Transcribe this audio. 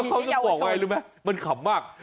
แล้วเค้าก็บอกว่ายังไงรู้มั้ยมันขำมารก